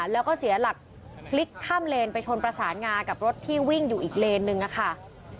แล้วก็เสียหลักพลิกข้ามเลนไปชนประสานงากับรถที่วิ่งอยู่อีกเลนนึงค่ะ